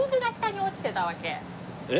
えっ？